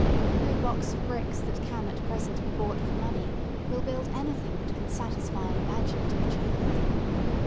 No box of bricks that can at present be bought for money will build anything that can satisfy an imaginative child.